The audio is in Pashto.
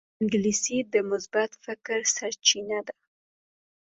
انګلیسي د مثبت فکر سرچینه ده